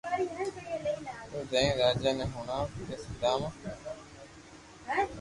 تو جائينن راجي ني ھوڻاو ڪي سوداما